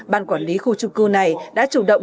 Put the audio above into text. ban quản lý khu trung cư này đã chủ động